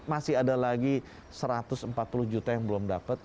masih ada lagi satu ratus empat puluh juta yang belum dapat